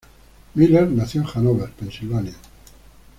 Miller nació en Hanover, Pensilvania.